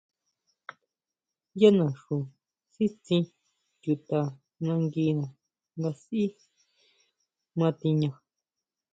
Yá naxu sítsin chuta nanguina nga sʼí ma tiña.